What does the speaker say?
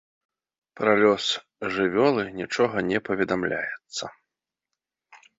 Пра лёс жывёлы нічога не паведамляецца.